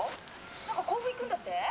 何か甲府行くんだって？」。